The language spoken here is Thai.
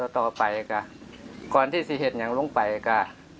ต่อไปก็ก่อนที่จะเห็นยังลงไปก็